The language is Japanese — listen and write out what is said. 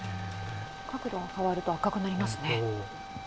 角度が変わると赤くなりますね。